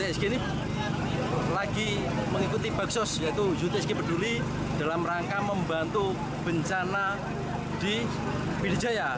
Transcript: hari ini lagi mengikuti baksos yaitu isutsg berduli dalam rangka membantu bencana di pidijaya